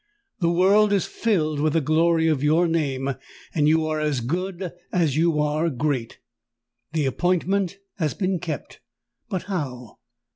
The world is filled with the glory of your name—and you are as good as you are great! The appointment has been kept:—but how?